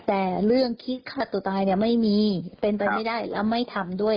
แต่เรื่องคิดฆ่าตัวตายเนี่ยไม่มีเป็นไปไม่ได้แล้วไม่ทำด้วย